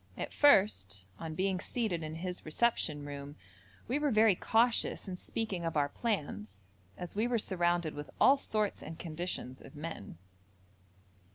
At first, on being seated in his reception room, we were very cautious in speaking of our plans, as we were surrounded with all sorts and conditions of men.